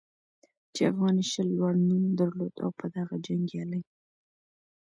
چې افغاني شل لوړ نوم درلود او په دغه جنګیالي